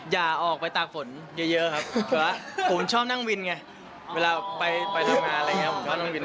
อย่าออกไปตากฝนเยอะครับแต่ว่าผมชอบนั่งวินไงเวลาไปทำงานอะไรอย่างนี้ผมชอบนั่งวิน